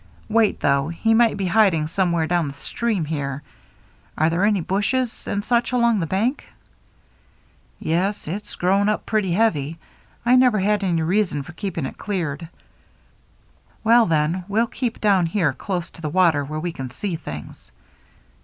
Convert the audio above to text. Wait, though, he might be hiding anywhere down the stream here. Are there many bushes and such along the bank?" " Yes, it's grown up pretty heavy. I never had any reason for keeping it cleared." 350 THE MERRT ANNE " Well, then, we'll keep down here close to the water where we can see things."